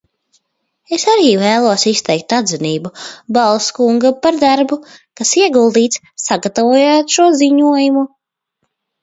Es arī vēlos izteikt atzinību Balz kungam par darbu, kas ieguldīts, sagatavojot šo ziņojumu.